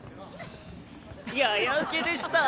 ややウケでした。